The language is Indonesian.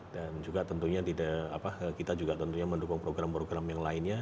dan juga tentunya kita mendukung program program yang lainnya